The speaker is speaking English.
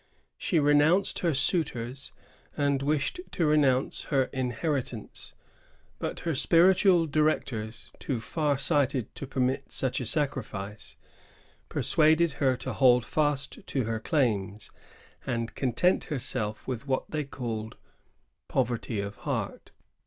She renounced her suitors, and wished to renounce her inheritance ; but her spiritual directors, too far sighted to permit such a sacrifice, persuaded her to hold fast to her claims, and content herself with what they called "poverty of heart."